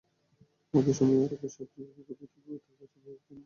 একই সময়ে আরও সাত অভিভাবক পৃথকভাবে তাঁর কাছে একই অভিযোগ দেন।